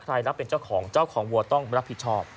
รับเป็นเจ้าของเจ้าของวัวต้องรับผิดชอบ